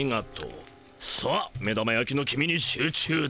さあ目玉やきの黄身に集中だ。